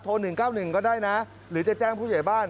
โทรหนึ่งเก้าหนึ่งก็ได้นะหรือจะแจ้งผู้ใหญ่บ้าน